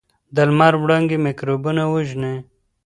د لمر وړانګې میکروبونه وژني.